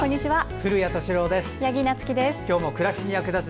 古谷敏郎です。